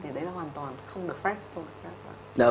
thì đấy là hoàn toàn không được phép